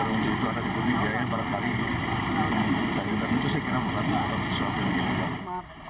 untuk itu ada kepentingan yang barangkali saya kira akan terjadi sesuatu yang ilegal